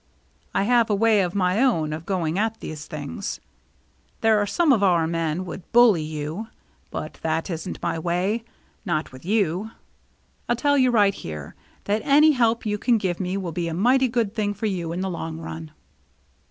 I have a way of my own of going at these things. There are some of our men would bully you, but that isn't my way — not with you. I'll tell you right here, that any help you can give me will be a mighty good thing for you in the long run."